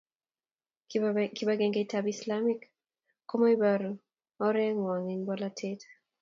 Kibagengeitab Islamek ko maiboru oreng'wang' eng' bolatet